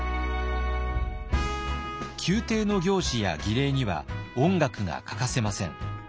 宮廷の行事や儀礼には音楽が欠かせません。